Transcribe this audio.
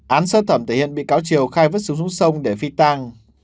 án sơ thẩm thể hiện bị cáo triều khai vứt súng xuống sông để phi tăng